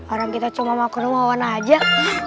orang kita cuma mau ke rumah wawan aja